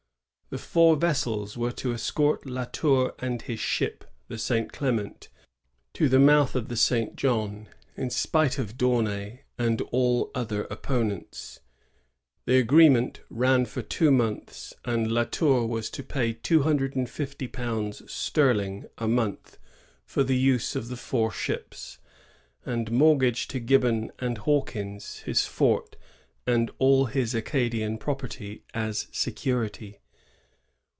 The four vessels were to escort La Tour and his ship, the *^St. Clement," to the mouth of the St. John, in spite of D'Aunay and all other opponents. The agreement ran for two months; and La Tour was to pay £250 sterling a month for the use of the four ships, and mortage to Gibbons and Hawkins his fort and all his Acadian property as security.